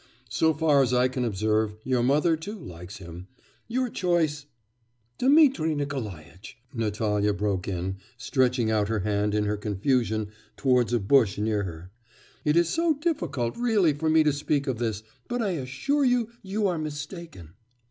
So far as I can observe, your mother, too, likes him.... Your choice ' 'Dmitri Nikolaitch,' Natalya broke in, stretching out her hand in her confusion towards a bush near her, 'it is so difficult, really, for me to speak of this; but I assure you... you are mistaken.